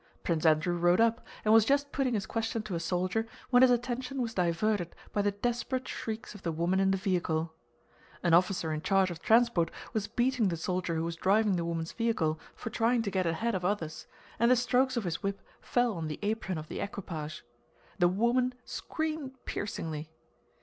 Prince Andrew rode up and was just putting his question to a soldier when his attention was diverted by the desperate shrieks of the woman in the vehicle. An officer in charge of transport was beating the soldier who was driving the woman's vehicle for trying to get ahead of others, and the strokes of his whip fell on the apron of the equipage. The woman screamed piercingly.